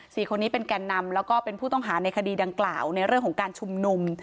สี่คนนี้เป็นแก่นนำแล้วก็เป็นผู้ต้องหาในคดีดังกล่าวในเรื่องของการชุมนุม